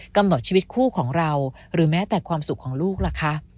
กำหนดชีวิตคู่ของเราหรือแม้แต่ความสุขของลูกล่ะคะ